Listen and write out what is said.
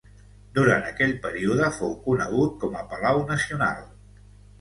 Durant aquell període fou conegut com a Palau Nacional.